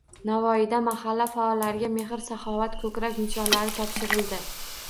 Navoiyda mahalla faollariga “Mehr-saxovat” ko‘krak nishonlari topshirildi